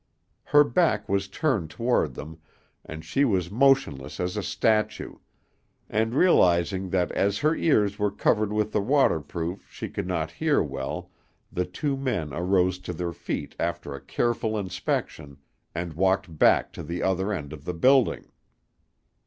Her back was turned toward them, and she was motionless as a statue; and realizing that as her ears were covered with the waterproof she could not hear well, the two men arose to their feet after a careful inspection, and walked back to the other end of the building.